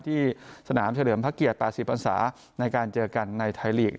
ที่สนามเฉลิมพระเกียรติ๘๐พันศาในการเจอกันในไทยลีก